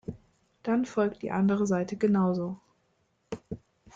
Dann folgt die andere Seite genauso.